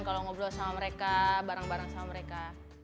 kalau ngobrol sama mereka bareng bareng sama mereka